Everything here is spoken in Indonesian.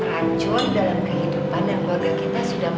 terancur dalam kehidupan dan keluarga kita sudah lama